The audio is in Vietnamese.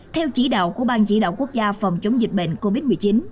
theo chỉ đạo của bang chỉ đạo quốc gia phòng chống dịch bệnh covid một mươi chín